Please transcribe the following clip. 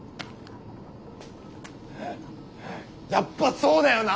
やっぱそうだよな。